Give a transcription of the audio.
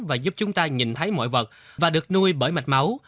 và giúp chúng ta nhìn thấy mọi vật và được nuôi bởi mạch máu